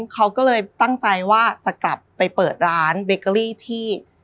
เขาก็เลยตั้งใจว่าจะกลับไปเปิดร้านเบเกอรี่ที่